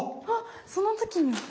あっその時に！